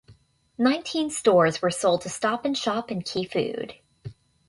Nineteen stores were sold to Stop and Shop and Key Food.